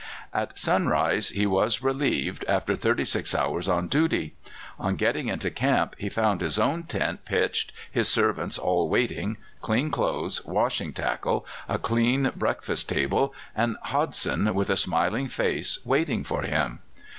At sunrise he was relieved, after thirty six hours on duty. On getting into camp he found his own tent pitched, his servants all waiting, clean clothes, washing tackle, a clean breakfast table, and Hodson, with a smiling face, waiting for him.